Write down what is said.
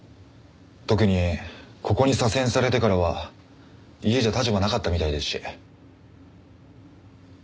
特にここに左遷されてからは家じゃ立場なかったみたいですし。